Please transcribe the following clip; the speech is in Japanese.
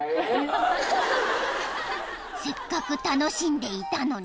［せっかく楽しんでいたのに］